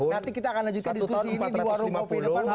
nanti kita akan lanjutkan diskusi ini di warung kopi depan